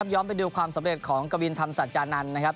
ไปดูความสำเร็จของกวินธรรมสัจจานันทร์นะครับ